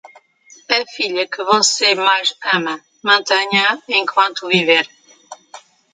A filha que você mais ama, mantenha-a enquanto viver.